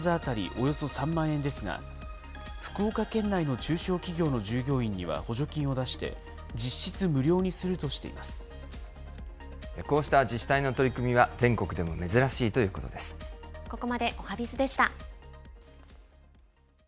およそ３万円ですが、福岡県内の中小企業の従業員には補助金を出して、実質無料にするこうした自治体の取り組みは、ここまでおはＢｉｚでした。